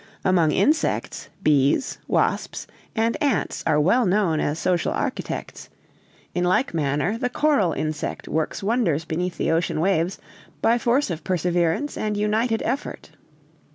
Among insects, bees, wasps, and ants are well known as social architects; in like manner, the coral insect works wonders beneath the ocean waves, by force of perseverance and united effort."